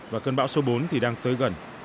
và cơn bão số bốn thì đang tới gần